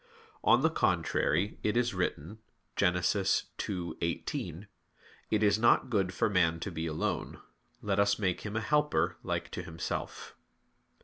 On the contrary, It is written (Gen. 2:18): "It is not good for man to be alone; let us make him a helper like to himself."